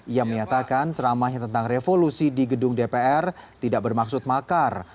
ia menyatakan ceramahnya tentang revolusi di gedung dpr tidak bermaksud makar